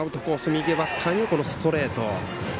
右バッターにはストレート。